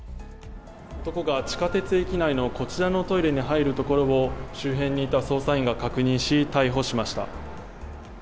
男が地下鉄駅内のこちらのトイレに入るところを周辺にいた捜査員が確認し逮捕しました。